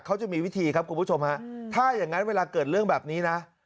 เขาจะมีวิธีครับคุณผู้ชมฮะถ้าอย่างนั้นเวลาเกิดเรื่องแบบนี้นะ